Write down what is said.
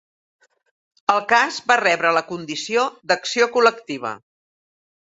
El cas va rebre la condició d'acció col·lectiva.